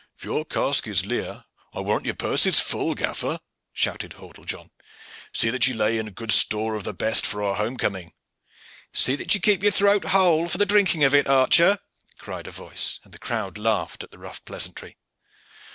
"If your cask is leer, I warrant your purse is full, gaffer," shouted Hordle John. "See that you lay in good store of the best for our home coming." "See that you keep your throat whole for the drinking of it archer," cried a voice, and the crowd laughed at the rough pleasantry.